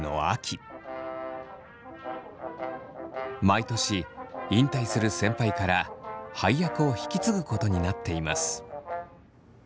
毎年引退する先輩から配役を引き継ぐことになっています。